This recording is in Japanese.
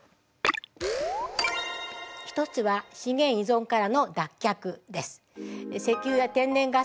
１つは「資源依存からの脱却」です。